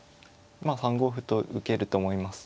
まあ３五歩と受けると思います。